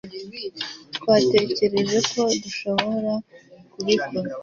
Twatekereje ko dushobora kubikora